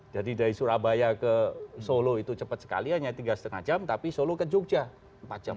jadi dari surabaya ke solo itu cepet sekali hanya tiga lima jam tapi solo ke jogja empat jam